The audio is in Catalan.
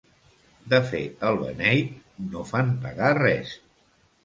De fer el beneit no fan pagar res.